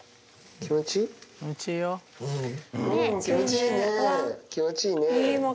気持ちいいね。